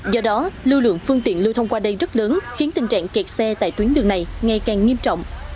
do đó lưu lượng phương tiện lưu thông qua đây rất lớn khiến tình trạng kẹt xe tại tuyến đường này ngày càng nghiêm trọng